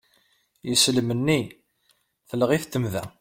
Islem-nni telleɣ-it tmedda.